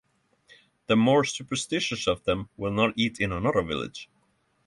The more superstitious of them will not eat in another village.